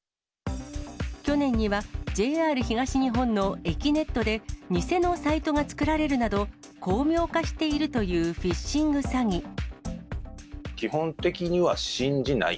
去年には、ＪＲ東日本の駅ネットで、偽のサイトが作られるなど、巧妙化して基本的には信じない。